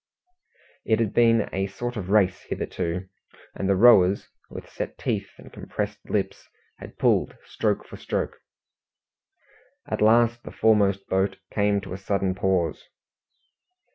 It had been a sort of race hitherto, and the rowers, with set teeth and compressed lips, had pulled stroke for stroke. At last the foremost boat came to a sudden pause.